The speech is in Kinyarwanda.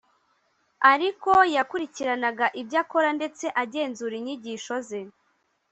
ariko yakurikiranaga ibyo akora, ndetse agenzura inyigisho ze